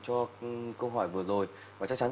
cho câu hỏi vừa rồi và chắc chắn